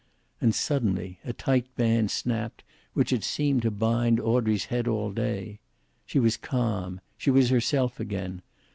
And suddenly a tight band snapped which had seemed to bind Audrey's head all day. She was calm. She was herself again.